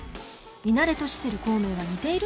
ミナレとシセル光明は似ている？